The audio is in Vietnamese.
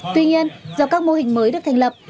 tuy nhiên do các mô hình mới được thành lập